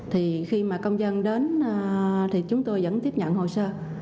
thì khi mà công dân đến thì chúng tôi vẫn tiếp nhận hồ sơ